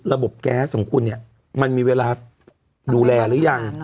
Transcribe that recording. แก๊สของคุณเนี่ยมันมีเวลาดูแลหรือยัง